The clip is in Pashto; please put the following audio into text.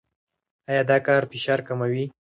ایا دا کار فشار کموي؟